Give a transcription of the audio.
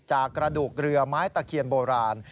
กระดูกเรือไม้ตะเคียนโบราณ